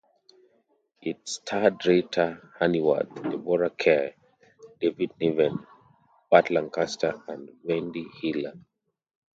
It starred Rita Hayworth, Deborah Kerr, David Niven, Burt Lancaster and Wendy Hiller.